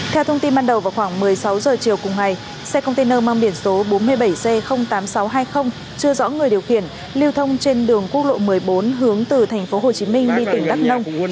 theo thông tin ban đầu vào khoảng một mươi sáu h chiều cùng ngày xe container mang biển số bốn mươi bảy c tám nghìn sáu trăm hai mươi chưa rõ người điều khiển lưu thông trên đường quốc lộ một mươi bốn hướng từ tp hcm đi tỉnh đắk nông